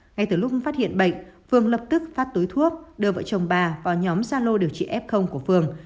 ngay từ lúc phát hiện bệnh phương lập tức phát túi thuốc đưa vợ chồng bà vào nhóm gia lô điều trị f của phường